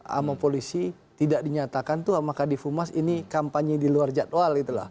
sama polisi tidak dinyatakan tuh sama kadif umas ini kampanye di luar jadwal